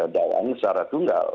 dawaannya secara tunggal